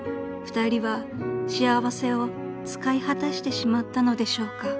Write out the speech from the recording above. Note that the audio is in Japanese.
［２人は幸せを使い果たしてしまったのでしょうか？］